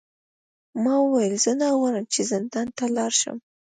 ما وویل زه نه غواړم چې زندان ته لاړ شم.